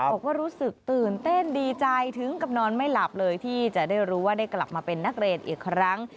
บอกว่ารู้สึกตื่นเต้นดีใจถึงกับนอนไม่หลับเลยที่จะได้รู้ว่าได้กลับมาเป็นนักเรียนอีกครั้ง